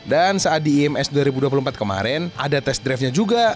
dan saat di ims dua ribu dua puluh empat kemarin ada test drive nya juga